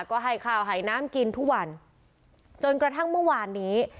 ก็ให้ข้าวให้น้ำกินทุกวันจนกระทั่งเมื่อวานนี้